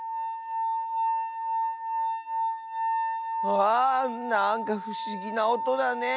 わあなんかふしぎなおとだね。